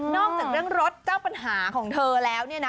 นอกจากเรื่องรถเจ้าปัญหาของเธอแล้ว